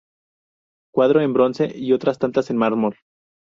Cuatro en bronce y otras tantas en mármol.